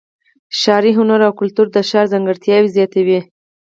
ښاري هنر او کلتور د ښار ځانګړتیا زیاتوي.